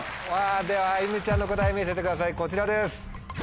ではあゆむちゃんの答え見せてくださいこちらです。